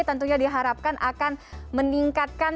tentunya diharapkan akan meningkatkan